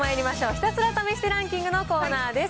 ひたすら試してランキングのコーナーです。